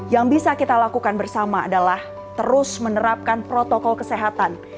yang bisa kita lakukan bersama adalah terus menerapkan protokol kesehatan